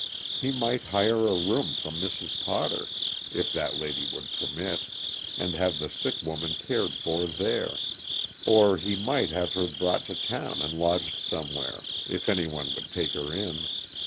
He might hire a room from Mrs. Potter, if that lady would permit, and have the sick woman cared for there, or he might, have her brought to town and lodged somewhere, if any one would take her in.